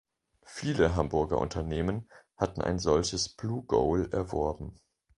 Viele Hamburger Unternehmen hatten ein solches Blue Goal erworben.